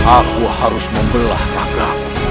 aku harus membelah raga